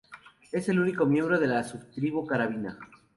Es el único miembro de la subtribu Carabina.